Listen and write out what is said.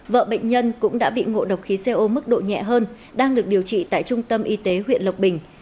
vợ bệnh nhân cũng đã bị ngộ độc khí co mức độ nhẹ hơn đang được điều trị tại trung tâm y tế huyện lộc bình